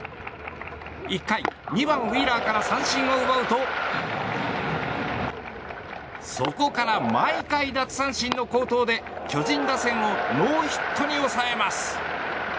１回、２番、ウィーラーから三振を奪うとそこから毎回奪三振の好投で巨人打線をノーヒットに抑えます。